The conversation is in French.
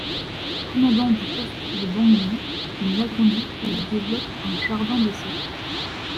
Commandant du poste de Bangui, il l'agrandit et y développe un jardin d'essai.